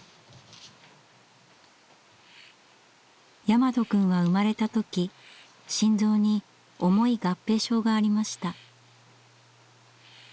大和くんは生まれた時心臓に重い合併症がありました。